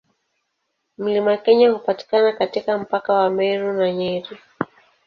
Mlima Kenya hupatikana katika mpaka wa Meru na Nyeri.